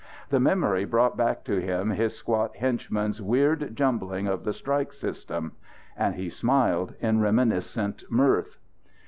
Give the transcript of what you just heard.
The memory brought back to him his squat henchman's weird jumbling of the strike system. And he smiled in reminiscent mirth.